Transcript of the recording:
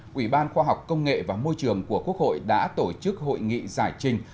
quỹ ban khoa học công nghệ và môi trường của quốc hội đã tổ chức hội nghị giải trình